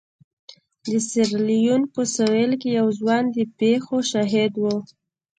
د سیریلیون په سوېل کې یو ځوان د پېښو شاهد و.